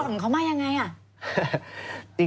คุณไปกร่อนเขามายังไงอะ